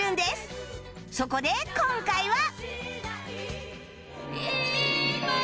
そこで今回は